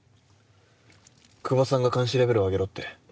窪さんが監視レベルを上げろって。